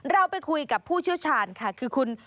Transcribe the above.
เราไปคุยกับผู้เชี่ยวชาญค่ะคือคุณ